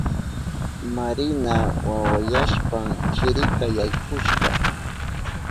Marina wawayashpan chirika yaykushka.